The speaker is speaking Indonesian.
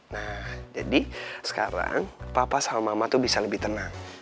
nah jadi sekarang papa sama mama tuh bisa lebih tenang